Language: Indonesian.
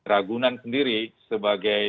ragunan sendiri sebagai